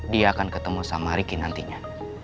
dia akan ketemu sama ricky nantinya